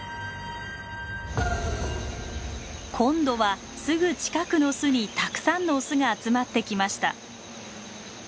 今度はすぐ近くの巣にたくさんのオスが集まってきました。